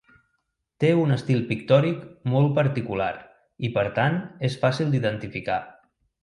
Té un estil pictòric molt particular i, per tant, és fàcil d'identificar.